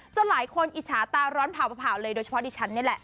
หลายคนอิจฉาตาร้อนเผาเลยโดยเฉพาะดิฉันนี่แหละ